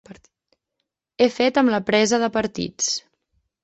He fet amb la presa de partits.